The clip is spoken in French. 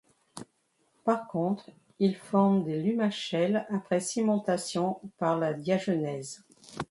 Par contre, ils forment des lumachelles après cimentation par la diagenèse.